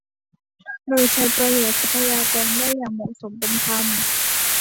โดยใช้ประโยชน์ทรัพยากรแร่อย่างเหมาะสม เป็นธรรม